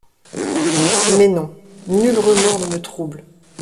Mais non: nul remords ne me trouble.